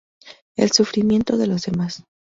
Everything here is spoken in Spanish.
El sufrimiento de los demás.